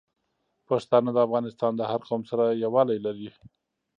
پښتانه د افغانستان د هر قوم سره یوالی لري.